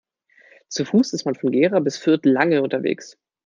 Zu Fuß ist man von Gera bis Fürth lange unterwegs